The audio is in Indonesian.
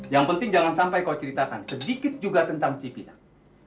yang penting jangan sampai kau ceritakan sedikit juga tentang cipinang